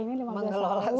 mengelola sampah sudah